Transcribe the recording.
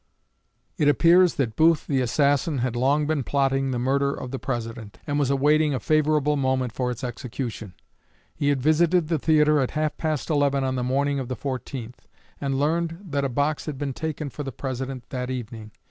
It appears that Booth, the assassin, had long been plotting the murder of the President, and was awaiting a favorable moment for its execution. He had visited the theatre at half past eleven on the morning of the 14th, and learned that a box had been taken for the President that evening.